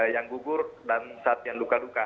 yang gugur dan saatnya luka luka